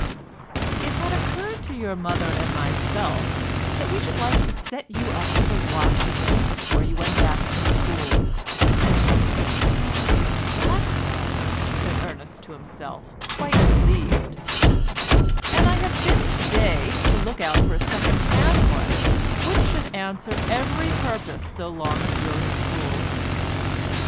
"It had occurred to your mother and myself that we should like to set you up with a watch again before you went back to school" ("Oh, that's all," said Ernest to himself quite relieved), "and I have been to day to look out for a second hand one which should answer every purpose so long as you're at school."